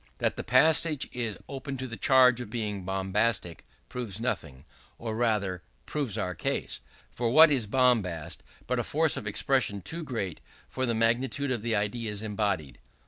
That the passage is open to the charge of being bombastic proves nothing; or rather, proves our case. For what is bombast but a force of expression too great for the magnitude of the ideas embodied?